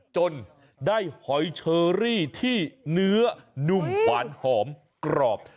จนได้หอยเชอรี่ที่เนื้อนุ่มหวานหอมกรอบ